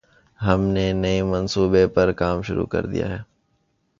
ہم نے نئے منصوبے پر کام شروع کر دیا ہے۔